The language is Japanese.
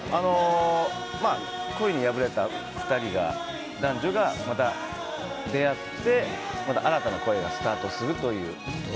恋に破れた２人、男女がまた出会って新たな恋がスタートするという。